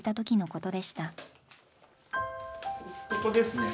ここですね